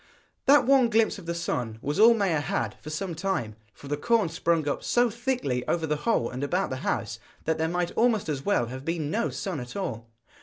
That one glimpse of the sun was all Maia had for some time, for the corn sprung up so thickly over the hole and about the house, that there might almost as well have been no sun at all.